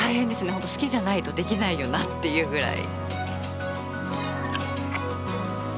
本当好きじゃないとできないよなっていうぐらい。